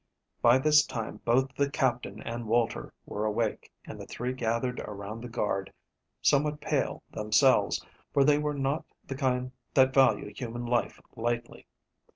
By this time both the Captain and Walter were awake, and the three gathered around the guard, somewhat pale themselves, for they were not the kind that value human life lightly.